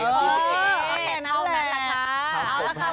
โอเคนะวงานละค่ะ